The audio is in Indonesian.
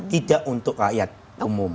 tidak untuk rakyat umum